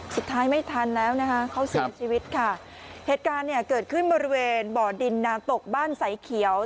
สุดท้ายไม่ทันแล้วนะคะเขาเสียชีวิตค่ะเหตุการณ์เนี่ยเกิดขึ้นบริเวณบ่อดินนาตกบ้านใสเขียว